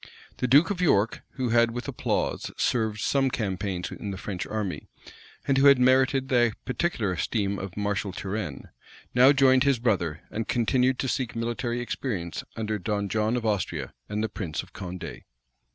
The duke of York, who had with applause served some campaigns in the French army, and who had merited the particular esteem of Marshal Turenne, now joined his brother, and continued to seek military experience under Don John of Austria, and the prince of Condé.